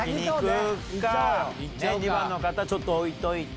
２番の方ちょっと置いといて。